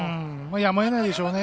やむをえないでしょうね。